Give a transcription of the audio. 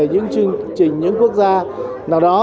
những chương trình những quốc gia nào đó